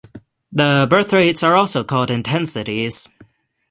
The birth rates are also called intensities.